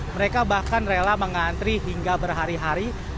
mereka bahkan rela mengantri hingga berhari hari